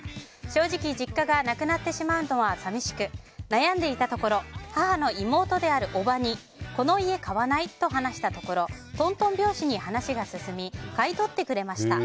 正直実家がなくなってしまうのは悩んでいたところ母の妹であるおばにこの家、買わない？と話したところとんとん拍子に話が進み買い取ってくれました。